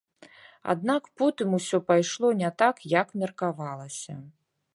Аднак потым усё пайшло не так, як меркавалася.